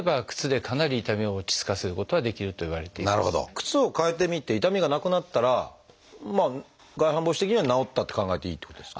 靴を替えてみて痛みがなくなったら外反母趾的には治ったって考えていいっていうことですか？